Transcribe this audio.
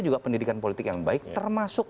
juga pendidikan politik yang baik termasuk